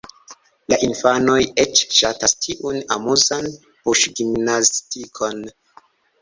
La infanoj eĉ ŝatas tiun amuzan buŝgimnastikon.